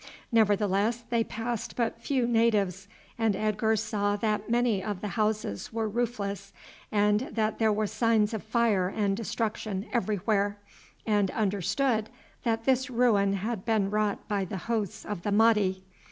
Nevertheless they passed but few natives, and Edgar saw that many of the houses were roofless, and that there were signs of fire and destruction everywhere, and understood that this ruin had been wrought by the hosts of the Mahdi.